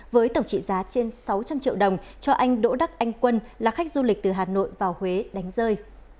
với tổng trị giá trên sáu trăm linh triệu đồng cho anh đỗ đắc anh quân là khách du lịch từ hà nội vào huế đánh rơi